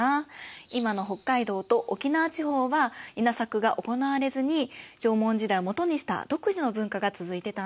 今の北海道と沖縄地方は稲作が行われずに縄文時代を基にした独自の文化が続いてたんです。